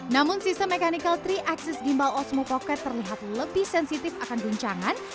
namun sistem mechanical tiga akses gimbal osmo pocket terlihat lebih sensitif akan guncangan